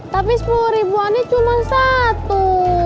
tapi sepuluh ribuan ini cuma satu